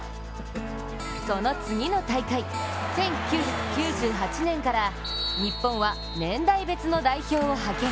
その次の大会、１９９８年から日本は年代別の代表を派遣。